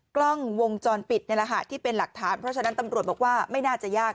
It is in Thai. กล้องวงจรปิดนี่แหละค่ะที่เป็นหลักฐานเพราะฉะนั้นตำรวจบอกว่าไม่น่าจะยาก